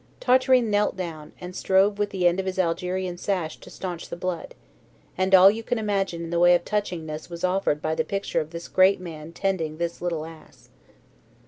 Tartarin knelt down, and strove with the end of his Algerian sash to stanch the blood; and all you can imagine in the way of touchingness was offered by the picture of this great man tending this little ass.